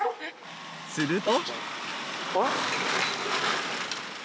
すると。